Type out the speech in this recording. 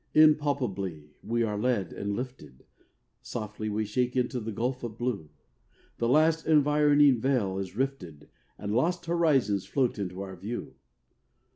Impalpably we are led and lifted, Softly we shake into the gulf of blue, The last environing veil is rifted And lost horizons float into our view.